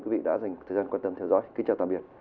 quý vị đã dành thời gian quan tâm theo dõi kính chào tạm biệt